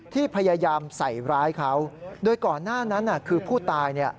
ที่พยายามใส่ร้ายเขาโดยก่อนหน้านั้นคือผู้ตายเนี่ย